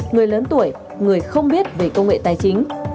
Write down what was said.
người lớn tuổi người không biết về công nghệ tài chính